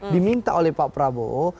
diminta oleh pak prabowo